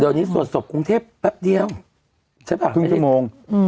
เดี๋ยวนี้สวดศพกรุงเทพแป๊บเดียวใช่ป่ะไม่ใช่โมง